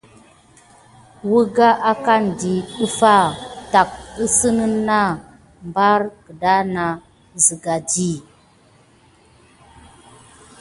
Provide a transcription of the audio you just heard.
Wangà ankadi ɗef tät anasine ɓa abyik anane anasine siga.